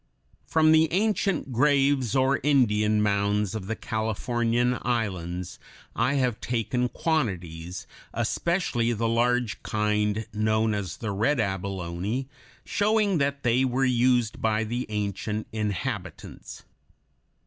From the ancient graves or Indian mounds of the Californian islands I have taken quantities, especially the large kind known as the red abalone, showing that they were used by the ancient inhabitants.